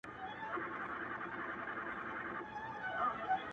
• پرون مي ستا په ياد كي شپه رڼه كړه،